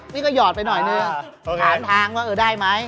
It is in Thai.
นี่ก็หยอดไปหน่อยนึงถามทางว่าเออได้ไหม